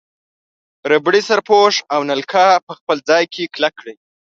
ربړي سرپوښ او نلکه په خپل ځای کې کلک کړئ.